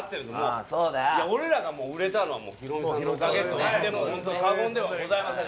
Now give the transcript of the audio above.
俺らが売れたのは、ヒロミさんのおかげといっても、本当、過言ではございません。